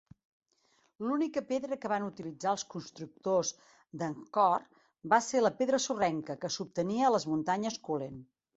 L'única pedra que van utilitzar els constructors d'Angkor va ser la pedra sorrenca, que s'obtenia a les muntanyes Kulen.